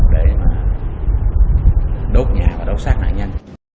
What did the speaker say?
để đốt nhà và đốt sát nạn nhân